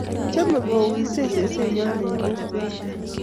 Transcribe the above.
chomei kowisei sesenyo eng' kokwet